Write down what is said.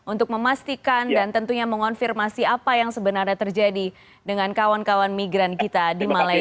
untuk memastikan dan tentunya mengonfirmasi apa yang sebenarnya terjadi dengan kawan kawan migran kita di malaysia